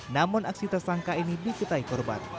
namun aksi tersangka ini dikutai korban